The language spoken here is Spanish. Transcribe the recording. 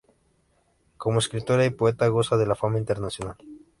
Como escritora y poeta goza de fama internacional.